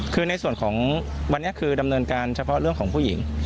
คือในส่วนของวันนี้คือดำเนินการเฉพาะเรื่องของผู้หญิง